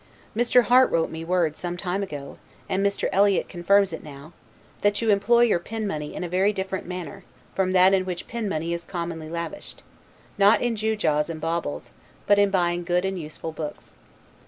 Mr. Harte wrote me word some time ago, and Mr. Eliot confirms it now, that you employ your pin money in a very different manner, from that in which pin money is commonly lavished: not in gew gaws and baubles, but in buying good and useful books.